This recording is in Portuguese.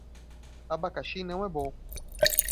Abacaxi não é bom